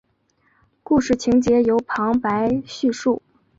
故事情节由旁白叙述。